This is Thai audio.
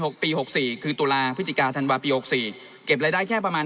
ปีหกสี่คือตุลาพฤศจิกาธันวาปีหกสี่เก็บรายได้แค่ประมาณ